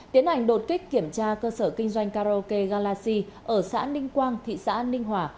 tiến hành đột kích kiểm tra cơ sở kinh doanh karaoke galaxy ở xã ninh quang thị xã ninh hòa